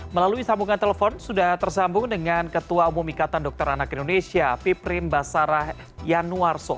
melalui sambungan telepon sudah tersambung dengan ketua umum ikatan dokter anak indonesia piprim basarah yanuarso